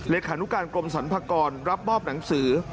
ขานุการกรมสรรพากรรับมอบหนังสือ